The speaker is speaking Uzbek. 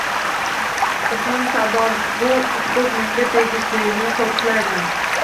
Ismim Sardor, bu hudud menga tegishli, men qo`riqlayman